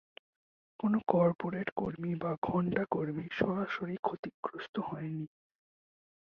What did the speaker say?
কোন কর্পোরেট কর্মী বা ঘণ্টা কর্মী সরাসরি ক্ষতিগ্রস্ত হয়নি।